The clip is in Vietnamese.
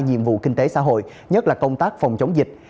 nhiệm vụ kinh tế xã hội nhất là công tác phòng chống dịch